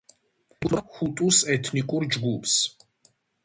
ეკუთვნოდა ჰუტუს ეთნიკურ ჯგუფს.